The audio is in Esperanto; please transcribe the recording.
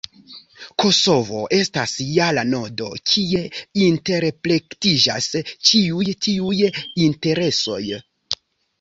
Kosovo estas ja la nodo, kie interplektiĝas ĉiuj tiuj interesoj.